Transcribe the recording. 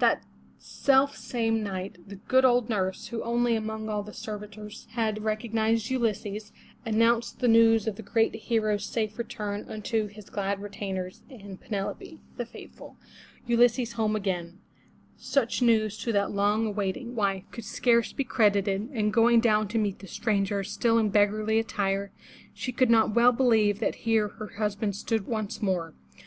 That self same night, the good old nurse, who only among all the servitors had recognised Ulysses, announced the news of that great hero's safe return unto his glad retainers and Penelope, the faithful. Ulysses home again ! Such news to that long waiting 434 FROM THE TOWER WINDOW wife could scarce be credited, and going down to meet the stranger still in beggarly attire, she could not well believe that here her husband stood once more.